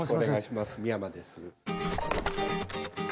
美山です。